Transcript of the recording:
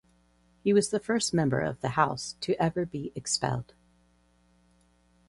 He was the first member of the House to ever be expelled.